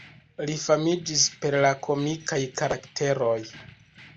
Li famiĝis per la komikaj karakteroj.